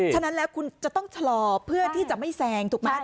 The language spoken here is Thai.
ฉะนั้นแล้วคุณจะต้องชะลอเพื่อที่จะไม่แซงถูกไหม